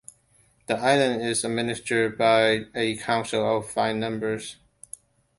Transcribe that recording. The island is administered by a council of five members.